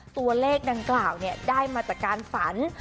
ตัวเลขดังกล่าวได้มาจากการฝัน